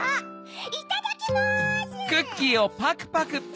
いただきます！